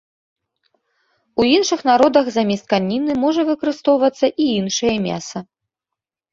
У іншых народаў замест каніны можа выкарыстоўвацца і іншае мяса.